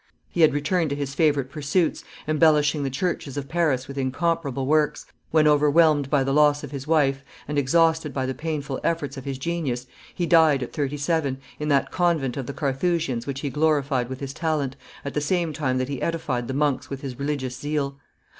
He had returned to his favorite pursuits, embellishing the churches of Paris with incomparable works, when, overwhelmed by the loss of his wife, and exhausted by the painful efforts of his genius, he died at thirty seven, in that convent of the Carthusians which he glorified with his talent, at the same time that he edified the monks with his religious zeal.